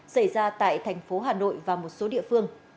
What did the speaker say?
xảy ra tại thành phố hà nội và một số địa phương